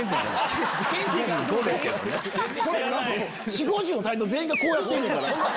４０５０のタレント全員がこうやってんねんから。